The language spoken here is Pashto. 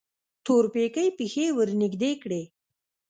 تورپيکۍ پښې ورنږدې کړې.